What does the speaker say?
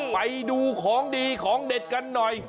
ไปดูของดีของเด็ดกันหน่อย